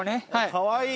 かわいい。